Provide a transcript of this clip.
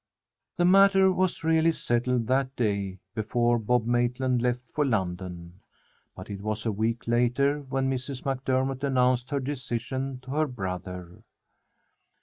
The matter was really settled that day before Bob Maitland left for London; but it was a week later when Mrs. MacDermott announced her decision to her brother.